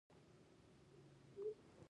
دلته کوټې ته رالم چې د افغان بچو له خدمت اوکم.